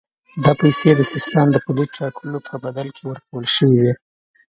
دا پیسې د سیستان د پولې ټاکلو په بدل کې ورکول شوې وې.